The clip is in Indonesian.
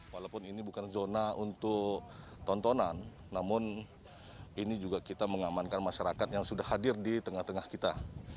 walaupun ini bukan zona untuk tontonan namun ini juga kita mengamankan masyarakat yang sudah hadir di tengah tengah kita